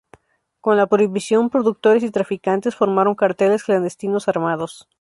Con la prohibición, productores y traficantes formaron carteles clandestinos armados.